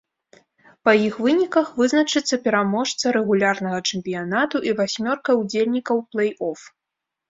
Па іх выніках вызначыцца пераможца рэгулярнага чэмпіянату і васьмёрка ўдзельнікаў плэй-оф.